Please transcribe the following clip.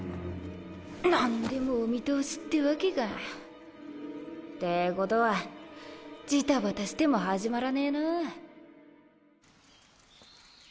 なんでもお見通しってワケか。ってことはジタバタしても始まらねなあ。